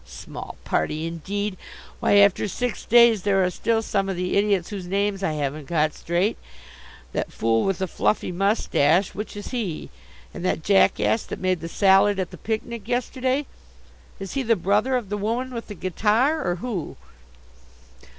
Small party, indeed! Why, after six days there are still some of the idiots whose names I haven't got straight! That fool with the fluffy moustache, which is he? And that jackass that made the salad at the picnic yesterday, is he the brother of the woman with the guitar, or who?